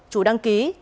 chủ đăng ký